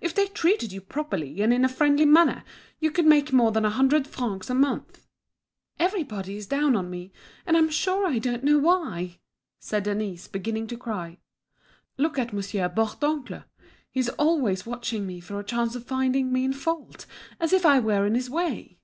If they treated you properly and in a friendly manner, you could make more than a hundred francs a month." "Everybody is down on me, and I'm sure I don't know why," said Denise, beginning to cry. "Look at Monsieur Bourdoncle, he's always watching me for a chance of finding me in fault, as if I were in his way.